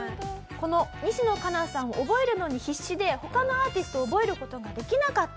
この西野カナさんを覚えるのに必死で他のアーティストを覚える事ができなかった。